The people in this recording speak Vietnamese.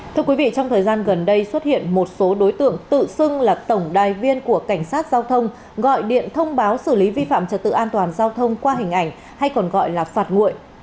thưa quý vị trong thời gian gần đây xuất hiện một số đối tượng tự xưng là tổng đài viên của cảnh sát giao thông gọi điện thông báo xử lý vi phạm trật tự an toàn giao thông qua hình ảnh hay còn gọi là phạt nguội